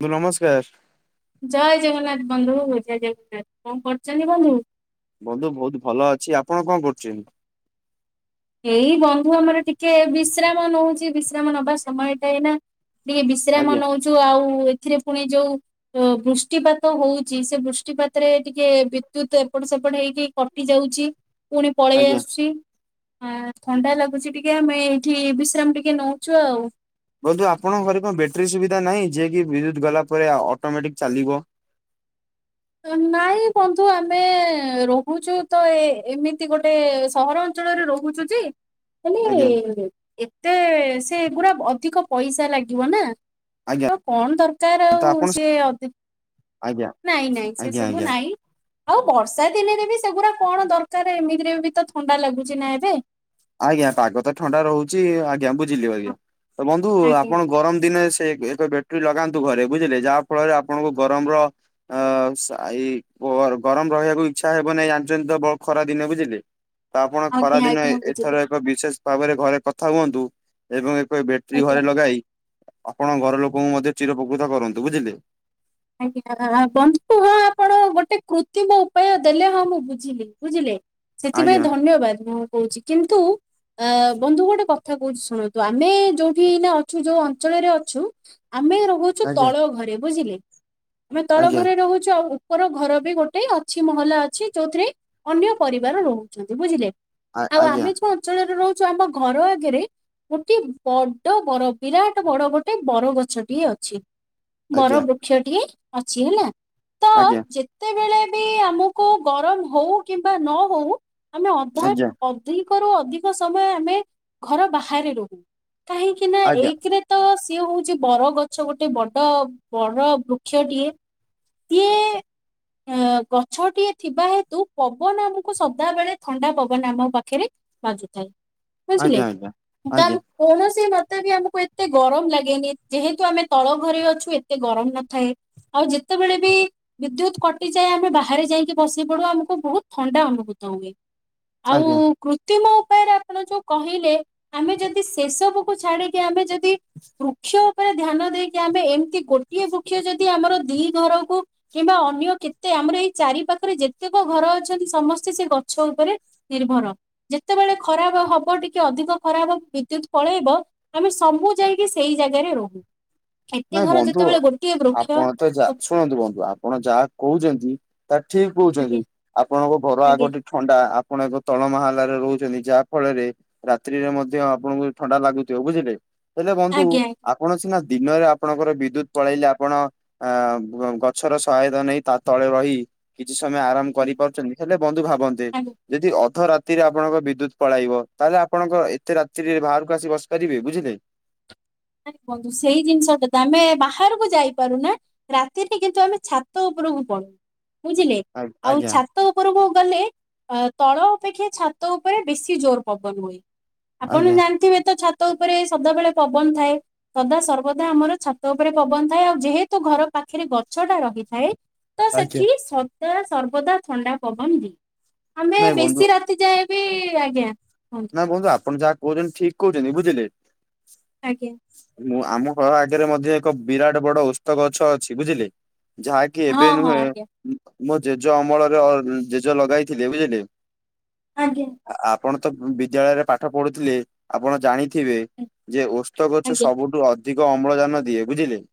[unintelligible] ନମସ୍କାର। ଜୟ ଜଗନ୍ନାଥ ବନ୍ଧୁ, ଜୟ ଜଗନ୍ନାଥ କଣ କରୁଚନ୍ତି ବନ୍ଧୁ? ବନ୍ଧୁ ବହୁତ ଭଲ ଅଛି। ଆପଣ କଣ କରୁଚନ୍ତି? ଏଇ ବନ୍ଧୁ ଆମର ଟିକେ ବିଶ୍ରାମ ନଉଚି, ବିଶ୍ରାମ ନବା ସମୟଟା ଏଇନା। ଟିକେ ବିଶ୍ରାମ ଆଜ୍ଞା ନଉଛୁ ଆଉ, ଏଥିରେ ପୁଣି ଯୋଉ ତ ବୃଷ୍ଟିପାତ ହଉଛି ସେ ବୃଷ୍ଟିପାତରେ ଟିକେ ବିଦ୍ୟୁତ ଏପଟ ସେପଟ ହେଇକି କଟି ଯାଉଛି, ପୁଣି ପଳେଇ ଆଜ୍ଞା। ଆସୁଛି। ହଁ ଥଣ୍ଡା ଲାଗୁଛି ଟିକେ ଆମେ ଏଇଠି ବିଶ୍ରାମ ଟିକେ ନଉଛୁ ଆଉ। ବନ୍ଧୁ ଆପଣଙ୍କ ଘରେ କଣ ବେଟ୍ରି ସୁବିଧା ନାହିଁ ଯିଏ କି ବିଦ୍ୟୁତ୍ ଗଲା ପରେ ଆ, ଅଟୋମେଟିକ୍ ଚାଲିବ? ଅ, ନାହି ବନ୍ଧୁ ଆମେ ରହୁଛୁ ତ ଏ ଏମିତି ଗୋଟେ ସହର ଅଞ୍ଚଳରେ ରହୁଛୁ ଯେ ହେଲେ ଆଜ୍ଞା ଏତେ ସେଗୁଡା ଅଧିକ ପଇସା ଲାଗିବ ନା। ଆଜ୍ଞା ତ କଣ ଦରକାର ତ ଆଉ ଆପଣ ସିଏ ଅଧିକ୍, ଆଜ୍ଞା ନାଇଁ ନାଇଁ ସେ ଆଜ୍ଞା ସବୁ ଆଜ୍ଞା ନାଇଁ। ଇ ଆଉ ବର୍ଷା ଦିନରେ ବି ସେଗୁଡା କଣ ଦରକାର ଏମିତିରେ ବି ତ ଥଣ୍ଡା ଲାଗୁଚି ନା ଏବେ। ଆଜ୍ଞା ପାଗ ତ ଥଣ୍ଡା ରହୁଛି, ଆଜ୍ଞା ବୁଝିଲି ଆଜ୍ଞା। ତ ବନ୍ଧୁ ଆଜ୍ଞା ଆପଣ ଗରମ ଦିନ ସେ ଏକ ଏକ ବେ ଟ୍ରି ଲଗାନ୍ତୁ ଘରେ, ବୁଝିଲେ ଯାହା ଫଳରେ ଆପଣଙ୍କୁ ଗରମର ଆଉ ସେ ଆଇ ଗର ଗରମ ରହିବାକୁ ଇଚ୍ଛା ହେବ ନାଇଁ ଜାଣିଚନ୍ତି ତ ବ- ଖରା ଦିନ ବୁଝିଲେ। ତ ଆପଣ ଆଜ୍ଞା ଖରାଦିନ ଏ ଆଜ୍ଞା ଏ ବୁଝିଲି ଏକ ବିଶେଷ ଭାବରେ ଘରେ କଥା ହୁଅନ୍ତୁ ଏବଂ ଏକ ବେଟ୍ରି ଆଜ୍ଞା। ଘରେ ଲଗାଇ ଆପଣ ଘର ଲୋକଙ୍କୁ ମଧ୍ୟ ଚିର ପକୃତ କରନ୍ତୁ ବୁଝିଲେ। ଆଜ୍ଞା ବନ୍ଧୁ ହଁ ଆପଣ ଗୋଟେ କୃତ୍ରିମ ଉପାୟ ଦେଲେ ହଁ ମୁଁ ବୁଝିଲି ବୁଝିଲେ। ସେଥିପାଇଁ ଆଜ୍ଞା ଧନ୍ୟବାଦ ମୁଁ କହୁଛି, କିନ୍ତୁ ଆ, ବନ୍ଧୁ ଗୋଟେ କଥା କହୁଛିି ଶୁଣନ୍ତୁ, ଆମେ ଯୋଉଠି ଏଇନା ଅଛୁ ଯୋଉ ଅଞ୍ଚଳରେ ଅଛୁ। ଆମେ ରହୁଛୁ ଆଜ୍ଞା ତଳ ଘରେ ବୁଝିଲେ, ଆମେ ତଳ ଆଜ୍ଞା ଘରେ ରହୁଛୁ ଆଉ ଉପର ଘର ବି ଗୋଟେ ଅଛି ମହଲା ଅଛି ଯୋଉଥିରେ ଅନ୍ୟ ପରିବାର ରହୁଛନ୍ତି ବୁଝିଲେ। ଆଉ ଆଜ୍ଞା ଆମେ ଯୋଉ ଅଞ୍ଚଳରେ ରହୁଛୁ ଆମ ଘର ଆଗରେ ଗୋଟେ ବଡ ବର ବିରାଟ ବଡ ଗୋଟେ ବରଗଛଟିଏ ଅ ଛି ବର ଆଜ୍ଞା ବୃକ୍ଷ ଟିଏ ଅଛି ହେଲା। ତ ଆଜ୍ଞା। ଯେତେବେଳେ ବି ଆମକୁ ଗରମ ହଉ କିମ୍ବା ନ ହଉ, ଆମେ ଅଧା ଆଜ୍ଞା ଅଧିକରୁୁ ଅଧିକ ସମୟ ଆମେ ଘର ବାହାରେ ରହୁ, କାହିଁକିନା ଆଜ୍ଞା ଏକରେ ତ ସିଏ ହଉଛି ବରଗଛ, ଗୋଟେ ବଡ ବଡ ବୃକ୍ଷଟିଏ। କିଏ? ଗଛଟିଏ ଥିବା ହେତୁ ପବନ ଆମକୁ ସଦା ବେଳେ ଥଣ୍ଡା ପବନ ଆମ ପାଖରେ ବାଜୁଥାଏ, ବୁଝିଲେ? ଆଜ୍ଞା ଆଜ୍ଞା ତା ଆଜ୍ଞା କୌଣସି ମତେ ବି ଆମକୁ ଏତେ ଗରମ ଲାଗେନି, ଯେହେତୁ ଆମେ ତଳ ଘରେ ଅଛୁ, ଏତେ ଗରମ ନଥାଏ। ଆଉ ଯେତେବେଳେ ବି ବିଦ୍ୟୁତ କଟିଯାଏ ଆମେ ବାହାରେ ଯାଇକି ବସି ପଡୁ, ଆମକୁ ବହୁତ ଥଣ୍ଡା ଅନୁଭୂତ ହୁଏ। ଆଉ ଆଜ୍ଞା ଆଜ୍ଞା କୃତ୍ରିମ ଉପାୟରେ ଆପଣ ଯୋଉ କହିଲେ, ଆମେ ଯଦି ସେସବୁକୁ ଛାଡିକି ଆମେ ଯଦି ବୃକ୍ଷ ଉପରେ ଧ୍ୟାନ ଦେଇକି ଆମେ ଏମିତି ଗୋଟିଏ ବୃକ୍ଷ ଯଦି ଆମର ଦି ଘରକୁ କିମ୍ବା ଅନ୍ୟ କେତେ ଆମର ଏଇ ଚାରି ପାଖରେ ଯେତେକ ଘର ଅଛନ୍ତି, ସମସ୍ତେ ସେ ଗଛ ଉପରେ ନିର୍ଭର, ଯେତେବେଳେ ଖରାପ ହବ ଟିକେ ଅଧିକ ଖରାପ ବିଦ୍ୟୁତ ପଳେଇବ। ଆମେ ସବୁ ଯାଇକି ସେଇ ଜାଗାରେ ରହୁ, ଏତେ ନାଇଁ ଘର ବନ୍ଧୁ ଯେତେବେଳେ ଗୋଟିଏ ବୃକ୍ଷ। ଆପଣ ତ ଯା ଶୁଣନ୍ତୁ ବନ୍ଧୁ, ଆପଣ ଯାହା କହୁଛନ୍ତି ତାହା ଠିକ୍ କହୁଛନ୍ତି। ଆଜ୍ଞା ଆଜ୍ଞା ଆପଣଙ୍କ ଘର ଆଗ ଟିକ ଥଣ୍ଡା ଆପଣ ଏକ ତଳମାହାଲରେ ରହୁଛନ୍ତି, ଯାହା ଫଳରେ ରାତିରେ ମଧ୍ୟ ଆପଣଙ୍କୁ ଥଣ୍ଡା ଲାଗୁଥିବ, ବୁଝିଲେ ହେଲେ ବନ୍ଧୁ ଆଜ୍ଞା ଆଜ୍ଞା ଆପଣ ସିନା ଦିନରେ ଆପଣଙ୍କର ବିଦ୍ୟୁତ ପଳେଇଲେ ଆପଣ ଆ ଗଛର ସହାୟତା ନେଇ, ତା ତଳେ ରହି କିଛି ସମୟ ଆରାମ ଆଜ୍ଞା। କରିପାରୁଛନ୍ତି, ହେଲେ ବନ୍ଧୁ ଭାବନ୍ତେ ଯଦି ଅଧ ରା ରାତିରେ ଆପଣଙ୍କ ବିଦ୍ୟୁତ ପଳାଇବ ତାହେଲେ ଆପଣଙ୍କ ଏତେ ରାତିରେ ବାହାରକୁ ଆସି ବସି ପାରିବେ, ବୁଝିଲେ? ନା ବନ୍ଧୁ, ସେଇ ଜିନିଷଟା ତ ଆମେ ବାହାରକୁ ଯାଇପାରୁ ନା ରାତିରେ କିନ୍ତୁ ଆମେ ଛାତ ଉପରକୁ ପଳଉ ବୁଝିଲେ, ଆଉ ଆଜ୍ଞା ଛାତ ଛାତ ଉପରକୁ ଗଲେ ତଳ ଅପେକ୍ଷା ଛାତ ଉପରେ ବେଶି ଜୋର ପବନ ହୁଏ। ଆପଣ ଆଜ୍ଞା ଜାଣିଥିବେ ତ ଛାତ ଉପରେ ସଦାବେେଳେ ପବନ ଥାଏ। ସଦା ସର୍ବଦା ଆମର ଛାତ ଉପରେ ପବନ ଥାଏ। ଆଉ ଯେହେତୁ ଘର ପାଖରେ ଗଛ ଟା ରହିଥାଏ। ତ ଆଜ୍ଞା ସେଠି ସଦା ସର୍ବଦା ଥଣ୍ଡା ପବନ ଦିଏ, ଆମେ ନାଇଁ ବନ୍ଧୁ ବେଶୀ ରାତି ଯାଏବି ଆଜ୍ଞା, ହଁ। ନା ବନ୍ଧୁ, ଆପଣ ଯାହା କହୁଛନ୍ତି ଠିକ୍ କହୁଛନ୍ତି, ବୁଝିଲେ? ଆଜ୍ଞା। ମୁଁ ଆମ ଘର ଆଗରେ ମଧ୍ୟ ଏକ ବିରାଟ ବଡ ଓସ୍ତ ଗଛ ଅଛି। ବୁଝିଲେ ଯାହା କି ହଁ ଏବେ ହଁ ନୁହେଁ, ଆଜ୍ଞା ମୋ ଜେଜ ଅମଳରେ ଜେଜ ଲଗାଇଥିଲେ, ବୁଝିଲେ? ଆଜ୍ଞା। ଆପଣ ତ ବିଦ୍ୟାଳୟରେ ପାଠ ପଢୁଥିଲେ, ଆପଣ ଜାଣିଥିବେ ଯେ ଓସ୍ତ ଗଛ ଆଜ୍ଞା ସବୁଠୁ ଅଧିକ ଅମ୍ଳଜାନ ଦିଏ, ବୁଝିଲେ?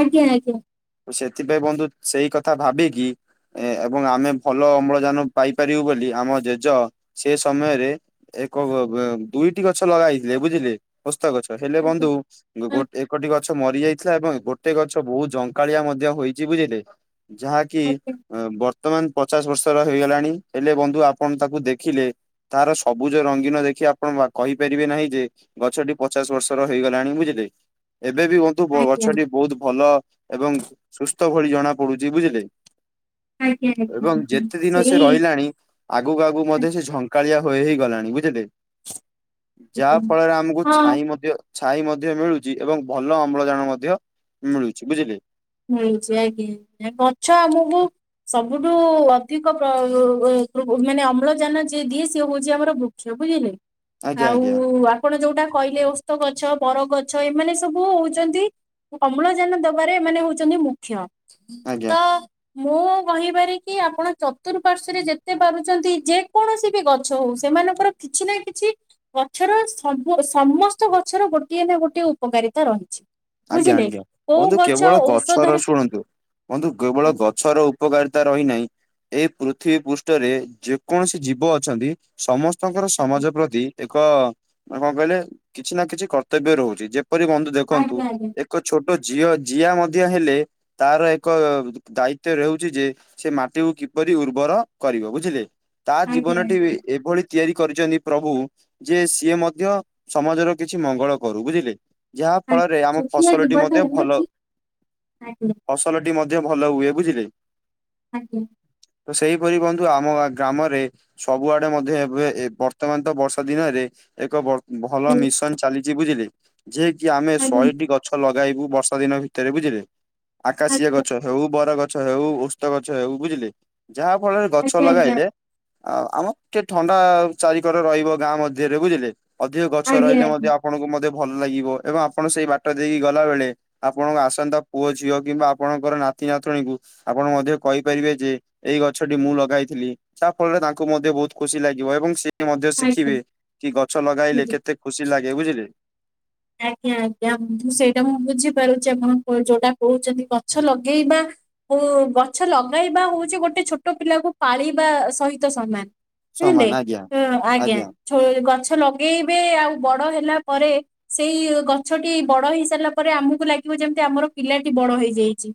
ଆଜ୍ଞା ଆଜ୍ଞା। ସେଥିପାଇଁ ବନ୍ଧୁ, ସେଇ କଥା ଭାବିକି ଏ ଏବଂ ଆମେ ଭଲ ଅମ୍ଳଜାନ ପାଇପାରିବୁ ବୋଲି ଆମ ଜେଜ ସେ ସମୟରେ ଏକ ଦୁଇଟି ଗଛ ଲଗା ହେଇଥିଲେ, ବୁଝିଲେ? ଓସ୍ତ ଗଛ ହେଲେ ଆଜ୍ଞା ବନ୍ଧୁ, ଗୋଟ ଏକଟି ଗ ଗଛ ମରି ଯାଇଥିଲା ଏବଂ ଗୋଟେ ଗଛ ବହୁତ ଝଙ୍କାଳିଆ ମଧ୍ୟ ହେଇଛି, ବୁଝିଲେ ଯାହାକି ଆଜ୍ଞା ବର୍ତ୍ତମାନ ପଚାଶ ବର୍ଷର ହେଇଗଲାଣି, ହେଲେ ବନ୍ଧୁ ଆପଣ ତାକୁ ଦେଖିଲେ ତାର ସବୁଜ ରଙ୍ଗୀନ ଦେଖି ଆପଣ କହିପାରିବେ ନାହିଁ ଯେ ଗଛଟି ପଚାଶ ବର୍ଷର ହେଇଗଲାଣି, ବୁଝିଲେ? ଏବେ ବି କିନ୍ତୁ ଆଜ୍ଞା ବ-ଗଛଟି ବହୁତ ଭଲ ଏବଂ ସୁସ୍ଥ ଭଳି ଜଣା ପଡୁଚି ବୁଝିଲେ। ଆଜ୍ଞା ଏବଂ ଆଜ୍ଞା ଯେତେ ଦିନ ସେ ସେଇ ରହିଲାଣି ଆଗୁକୁ ଆଗୁକୁ ମଧ୍ୟ ସେ ଝଙ୍କାଳିଆ ହୋଇ ହେଇ ଗଲାଣି ବୁଝିଲେ। ଆଜ୍ଞା ଯାହା ଫଳରେ ଆମକୁ ହଁ ଛାଇଁ ମଧ୍ୟ ଛାଇ ମଧ୍ୟ ମିଳୁଚି ଏବଂ ଭଲ ଅମ୍ଳଜାନ ମଧ୍ୟ ମିଳୁଚି ବୁଝିଲେ। ମିଳୁଚି ଆଜ୍ଞା ଏ ଗଛ ଆମୁକୁ ସବୁଠୁ ଅଧିକ ପ୍ର ଉପରୁକୁ ମାନେ ଅମ୍ଳଜାନ ଯିଏ ଦିଏ ସିଏ ହଉଚି ଆମର ବୃ କ୍ଷ ବୁଝିଲେ ଆଜ୍ଞା ଆଉ ଆଜ୍ଞା ଆ ଆପଣ ଯୋଉଟା କହିଲେ ଓସ୍ତ ଗଛ ବର ଗଛ ଏମାନେ ସବୁ ହଉଚନ୍ତି ଅମ୍ଳଜାନ ଦବାରେ ଏମାନେ ହଉଚନ୍ତି ମୁଖ୍ୟ ଆଜ୍ଞା। ତ ମୁଁ କହିବାରେ କିି ଆପଣ ଚତୁଃପାର୍ଶ୍ଵରେ ଯେତେ ପାରୁଚନ୍ତି ଯେ କୌଣସି ବି ଗଛ ହଉ ସେମାନଙ୍କ ଙ୍କର କିଛି ନା କିଛି ଗଛର ସବୁ ସମସ୍ତ ଗଛର ଗୋଟିଏ ନା ଗୋଟିଏ ଉପକାରିତା ରହିଚି। ବୁଝିଲେ କୋଉ ଗଛ ଔଷ ଅ ର ଶୁଣନ୍ତୁ ବନ୍ଧୁ କେବଳ ଗଛର ଉପକାରିତା ରହିନାହିଁ ଏଇ ପୃଥିବୀ ପୃଷ୍ଠରେ ଯେକୌଣସି ଜୀବ ଅଛନ୍ତି ସମସ୍ତ ଙ୍କର ଆଜ୍ଞା ସମାଜ ପ୍ରତି ଏକ ମାନେ କଣ କହିଲେ କିଛି ନା କିଛି କର୍ତ୍ତବ୍ୟ ରହୁଚି ଯେପରି ବନ୍ଧୁ ଦେଖନ୍ତୁ ଆଜ୍ଞା ଆଜ୍ଞା ଏକ ଛୋଟ ଝିଅ ଜିଆ ମଧ୍ୟ ହେଲେ ତାର ଏକ ଦାୟିତ୍ଵ ରେହୁଚି ଯେ ସେ ମାଟିକୁ କିପରି ଉର୍ବର କରିବ ବୁଝିଲେ ତା ଆଜ୍ଞା ଆଜ୍ଞା ଜୀବନଟି ବି ଏଭଳି ତିଆରି କରିଚନ୍ତି ପ୍ରଭୁ ଯେ ସିଏ ମଧ୍ୟ ସମାଜର କିଛି ମଙ୍ଗଳ କରୁ ବୁଝିଲେ ଯାହା ଆଜ୍ଞା ଫଳରେ ଆମ ଛୋଟିଆ ଫସଲଟି ଜୀବଟେ ମଧ୍ୟ ହେଲେ ଭଲ ବି ଆଜ୍ଞା ଫସଲଟି ମଧ୍ୟ ଭଲ ହୁଏ ବୁଝିଲେ। ଆଜ୍ଞା। ତ ସେଇପରି ବନ୍ଧୁ ଆମ ଗ୍ରାମରେ ସବୁଆଡେ ମଧ୍ୟ ଏବେ ଏ ବର୍ତ୍ତମାନ ତ ବର୍ଷା ଦିନରେ ଏକ ବ ଭଲ ମିଶନ୍ ଚାଲିଚି ବୁଝିଲେ ଯେଏ କିି ଆମେ ଆଜ୍ଞା ଶହେଟି ଗ ଛ ଲଗାଇବୁ ବର୍ଷା ଦିନ ଭିତେରେ ବୁଝିଲେ, ଆକାଶିଆ ଆଜ୍ଞା ଆଜ୍ଞା ଗଛ ହଉ ବର ଗଛ ଛ ହଉ ଓସ୍ତ ଗଛ ହେଉ ବୁଝିଲେ ଯାହା ଫଳରେ ଗଛ ଆଜ୍ଞା ଆଜ୍ଞା ଲଗାଇଲେ ଆଉ ଆମର ଟିକେ ଥଣ୍ଡା ଚାରିିକରେ ରହିବ ଗାଁ ମଧ୍ୟରେ ବୁଝିଲେ। ଅଧିକ ଗଛ ଆଜ୍ଞା ରହିଲେ ମଧ୍ୟ ଆପଣଙ୍କୁ ମଧ୍ୟ ଭଲ ଲାଗିବ ଏବଂ ଆପଣ ସେଇ ବାଟ ଦେଇକି ଗଲାବେଳେ ଆପଣଙ୍କ ଆସନ୍ତା ପୁଅ ଝିଅ କିମ୍ବା ଆପଣଙ୍କର ନାତି ନାତୁଣୀକୁ ଆପଣ ମଧ୍ୟ କହିପାରିବେ ଯେ ଏଇ ଗଛଟି ମୁଁ ଲଗାଇଥିଲି ଯାହା ଫଳରେ ତାଙ୍କୁ ମଧ୍ୟ ବହୁତ୍ ଖୁସି ଲାଗିବ ଏବଂ ସେ ମଧ୍ୟ ଆଜ୍ଞା ଶିଖିବେ କି ଗଛ ଲଗାଇଲେ ଆଜ୍ଞା କେତେ ଖୁସି ଲାଗେ ବୁଝିଲେ। ଆଜ୍ଞା ଆଜ୍ଞା ସେଇଟା ମୁଁ ବୁଝିପାରୁଚି ଆପଣ କଣ ଯୋଉଟା କହୁଚନ୍ତି ଗଛ ଲଗେଇବା କୁ ଗଛ ଲଗାଇବା ହଉଚି ଗୋଟେ ଛୋଟ ପିଲାକୁ ପାଳିବା ସହିତ ସମାନ। ବୁଝିଲେ, ସମାନ ଆଜ୍ଞା ଆଜ୍ଞା ଛୋ-ଗଛ ଲଗେଇବେ ଆଉ ବଡ ହେଲା ପରେ ସେଇ ଗଛଟି ବଡ ହେଇ ସାରିଲା ପରେ ଆମୁକୁ ଲାଗିବ ଯେମିତି ଆମର ପିଲାଟି ବଡ ହେଇଯାଇଚି।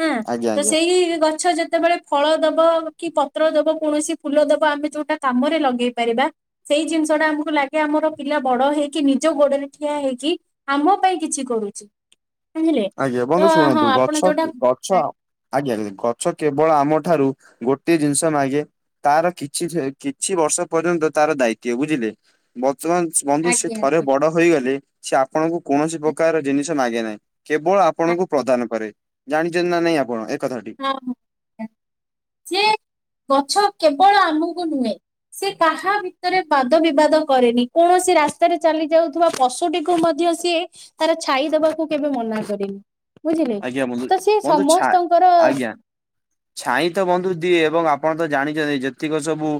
ହଁ ଆଜ୍ଞା ତ ଆଜ୍ଞା। ସେଇ ଗଛ ଯେତେବେଳେ ଫଳ ଦବ କି ପତ୍ର ଦବ କୌଣସି ଫୁଲ ଦବ ଆମେ ଯୋଉଟା କାମରେ ଲଗେଇ ପାରିବା ସେଇ ଜିନିଷ ଟା ଆମୁକୁ ଲାଗେ ଆମର ପିଲା ବଡ ହେଇକି ନିଜ ଗୋଡରେ ଠିଆ ହେଇକି ଆମ ପାଇଁ କିଛି କରୁଚି। ଆଜ୍ଞା ବନ୍ଧୁ ଶୁଣନ୍ତୁ ଆପଣ ଗଛ ଯୋଉଟା ଗଛ ଆ- ଆଜ୍ଞା ଗଛ କେବଳ ଆମ ଠାରୁ ଗୋଟିଏ ଜିନିଷ ମାଗେ ତାର କିଛି ସେ କିଛି ବର୍ଷ ପର୍ଯ୍ୟନ୍ତ ତାର ଦାୟିତ୍ୱ ବୁଝିଲେ। ବର୍ତ୍ତମାନ୍ ବନ୍ଧୁ ସ୍ ସିଏ ଆଜ୍ଞା ଥରେ ଆଜ୍ଞା ଆଜ୍ଞା, ବଡ ହୋଇଗଲେ ସେ ଆପଣଙ୍କୁ କୌଣସି ପ୍ରକାର ଜିନିଷ ମାଗେ ନାଇଁ। କେବଳ ଆପଣଙ୍କୁ ପ୍ରଦାନ କରେ ଜାଣିଛନ୍ତି ନା ନାଇଁ ଆପଣ ଏ କଥା ଟି? [unintelligible] ସିଏ ଗଛ କେବଳ ଆମକୁ ନୁହେଁ। ସି କାହା ଭିତରେ ବାଦ ବିବାଦ କରେନି କୌଣସି ରାସ୍ତାରେ ଚାଲି ଯାଉଥିବା ପଶୁଟି ଟିକୁ ମଧ୍ୟ ସିଏ ତାର ଛାଇଦବାକୁ କେବେ ମନା କରିନି। ବୁଝିଲେ, ଆଜ୍ଞା ବନ୍ଧୁ ତ ସିଏ ବନ୍ଧୁ ଛା ସମସ୍ତଙ୍କ୍ ଆଜ୍ଞା। ଛାଇଁ ତ ବନ୍ଧୁ ଦିଏ ଏବଂ ଆପଣ ତ ଜାଣିଚନ୍ତି ଯେତିକ ସବୁ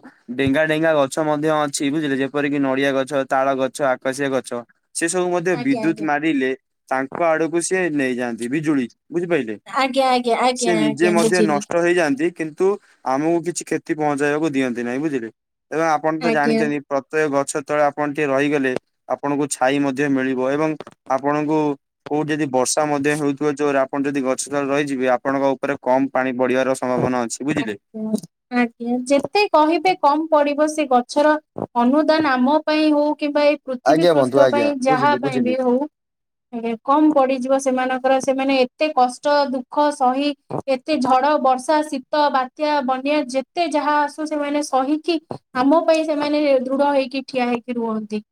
ଡେଙ୍ଗା ଡେଙ୍ଗା ଗଛ ମଧ୍ୟ ଅଛି ବୁଝିଲେ ଯେପରିକି ନଡିଆ ଗଛ, ତାଳ ଗଛ, ଆକାଶିଆ ଗଛ ସିଏ ସବୁ ମଧ୍ୟ ଆଜ୍ଞା ବିଦ୍ୟୁତ୍ ଆଜ୍ଞା ମାରିଲେ ତାଙ୍କ ଆଡକୁ ସିଏ ନେଇଯାଆନ୍ତି ବିଜୁଳି ବୁଝିପାଇଲେ? ଆଜ୍ଞା ଆଜ୍ଞା ଆଜ୍ଞା ସେ ନିଜେ ଆଜ୍ଞା ମଧ୍ୟ ବୁଝିଲି ନଷ୍ଟ ହେଇଯାଆନ୍ତି କିନ୍ତୁ ଆମକୁ କିଛି କ୍ଷତି ପହଞ୍ଚାଇଆକୁ ଦିଅନ୍ତି ନାଇଁ ବୁଝିଲେ ଏହା ଆପଣ ତ ଆଜ୍ଞା ଜାଣିଚନ୍ତି। ପ୍ରତ୍ୟେକ ଗଛ ତଳେ ଆପଣ ଟିକେ ରହିଗଲେ ଆପଣଙ୍କୁ ଛାଇ ମଧ୍ୟ ମିଳିବ ଏବଂ ଆପଣଙ୍କୁ କୋଉଠି ଯଦି ବର୍ଷା ମଧ୍ୟ ହେଉ ଥିବ ଜୋରେ ଆପଣ ଯଦି ଗଛ ତଳେ ରହିଯିବେ ଆପଣଙ୍କ ଉପରେ କମ୍ ପାଣି ବଢିଆର ସମ୍ଭାବନା ଅଛି ବୁଝିଲେ? ଆଜ୍ଞା ଆଜ୍ଞା। ଯେତେ କହିବେ କମ୍ ପଡିବ ସେ ଗଛର ଅନୁଦାନ ଆମ ପାଇଁ ହଉ କିମ୍ବା ଏ ପୃଥିବୀ ପୃଷ୍ଠ ପାଇଁ ଯାହା ପାଇଁ ବି ହଉ। ହ ରେ କମ୍ ପଡିଯିବ ସେମାନଙ୍କର ସେମାନେ ଏତେ କଷ୍ଟ ଦୁଃଖ ସହି ଏତେ ଝଡ ବର୍ଷ୍ ବର୍ଷା ଶୀତ ବାତ୍ୟା ବନ୍ୟା ଯେତେ ଯାହା ଆସୁ ସେମାନେ ସହିକି ଆମ ପାଇଁ ସେମାନେ ଦୃଢ ହେଇକି କି ଠିଆ ହେଇକି ରୁହନ୍ତି।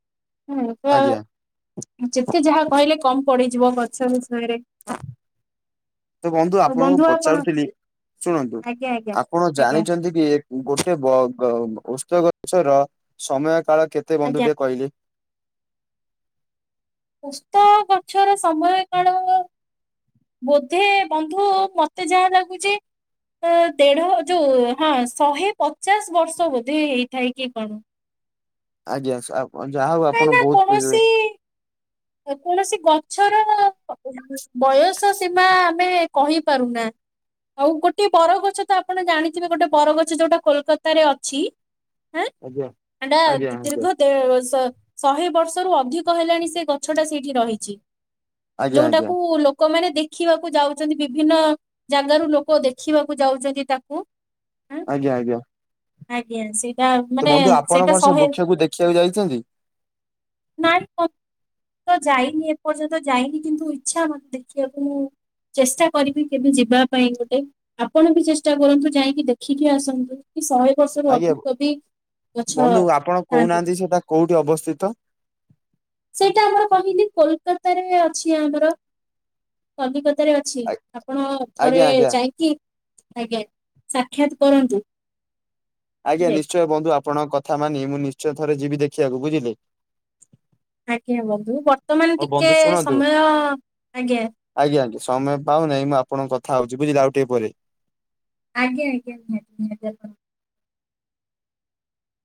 ହୁଁ, ଆଜ୍ଞା। [inaudible] ଯେତେ ଯାହା କହିଲେ କମ୍ ପଡିଯିବ ଗଛ ବିଷୟରେ। ତ ବନ୍ଧୁ ଆଉ ଆପଣଙ୍କୁ ଆପଣ ପଚାରୁଥିଲି। ଶୁଣନ୍ତୁ ଆଜ୍ଞା ଆଜ୍ଞା ଆପଣ ଆଜ୍ଞା ଜାଣିଚନ୍ତି କି ଏକ୍ ଗୋଟେ ବଗ ଓସ୍ତ ଗଛର ସମୟ କାଳ କେତେ ବନ୍ଧୁ ଆଜ୍ଞା ଟିକେ କହିଲେ। ଓସ୍ତ ଗଛର ସମୟ କାଳ ବୋଧେ ବନ୍ଧୁ ମତେ ଯାହା ଲାଗୁଚି ଅ ଦେଢ ଯୋଉ ହଁ ଶହେ ପଚାଶ୍ ବର୍ଷ ବୋଧେ ହେଇଥାଏ କି କଣ। ଆଜ୍ଞା ସାଏବ୍ ଯାହା ହଉ ଆପଣ ବହୁତ୍ ପିଜୁଳି। ଯେ କୌଣସି ଗଛର ବୟସ ସୀମା ଆମେ କହିପାରୁନା। ଆଉ ଗୋଟେ ବରଗଛ ତ ଆପଣ ଜାଣିଥିବେ ଗୋଟେ ବରଗଛ ଯୋଉଟା କୋଲ୍ କତାରେ ଅଛି। ହାଁ, ଆଜ୍ଞା ଏଟା ଆଜ୍ଞା ଆଜ୍ଞା। ଦୀର୍ଘ ଦେଢ ବର୍ଷ। ଶହେ ବର୍ଷରୁ ଅଧିକ ହେଲାଣି ସେ ଗଛ ଟା ସେଇଠି ରହିଚି ଆଜ୍ଞା ଆଜ୍ଞା ଯୋଉଟାକୁ ଲୋକ୍ ଲୋକମାନେ ଦେଖିବାକୁ ଯାଉଚନ୍ତି ବିଭିନ୍ନ ଜାଗାରୁ ଲୋକ ଦେଖିବାକୁ ଯାଉଚନ୍ତି ତାକୁ। ଆଜ୍ଞା ଆଜ୍ଞା। ଆଜ୍ଞା। ସେଇଟା ମାନେ ସେଇଟା ଶହେ ସେବେ ଯାଇଚନ୍ତି? ନାଇଁ ତ ଯାଇନି ଏପର୍ଯ୍ୟନ୍ତ ଯାଇନି କିନ୍ତୁ ଇଚ୍ଛା ମତେ ଦେଖିଆକୁ। ଚେଷ୍ଟା କରିବି କେବେ ଯିବା ପାଇଁ ଗୋଟେ। ଆପଣ ବି ଚେଷ୍ଟା କରନ୍ତୁ ଯାଇକି ଦେଖିକି ଆସନ୍ତୁ। ଶହେ ବର୍ଷରୁ ଆଜ୍ଞା ବୋ ଅଧିକ ବି ଗଛ ବନ୍ଧୁ ଆପଣ ଥାନ୍ତି କହୁନାହାନ୍ତି ସେଟା କୋଉଠି ଅବସ୍ଥିତ। ସେଇଟା ଆମର କହିଲି କୋଲ୍ କତାରେ ଅଛି ଆମର। କଲିକତାରେ ଅଛି ଆ ଆପଣ ଥରେ ଆଜ୍ଞା ଆଜ୍ଞା ଯାଇଁକି ଆଜ୍ଞା। ସାକ୍ଷାତ୍ କରନ୍ତୁ। ଆଜ୍ଞା ବୁଝିଲେ ନିଶ୍ଚୟ ବନ୍ଧୁ ଆପଣଙ୍କ କଥା ମାନି ମୁଁ ନିଶ୍ଚୟ ଥରେ ଯିବି ଦେଖିବାକୁ ବୁଝିଲେ? ଆଜ୍ଞା ବଂଧୁ ବର୍ତ୍ତମାନ ହଉ ଟିକେ ବନ୍ଧୁ ଶୁଣନ୍ତୁ ସମୟ ଆଜ୍ଞା। ଆଜ୍ଞା ଆଜ୍ଞା ସମୟ ପାଉ ନାହିଁ ମୁଁ ଆଣଙ୍କ କଥା ହଉଛି ବୁଝିଲେ ଆଉ ଟିକେ ପରେ ଆଜ୍ଞା ଆଜ୍ଞା ନିହାତି ନିହାତି